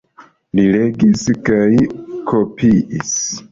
Li legis kaj kopiis.